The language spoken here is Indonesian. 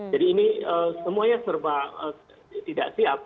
jadi ini semuanya serba tidak siap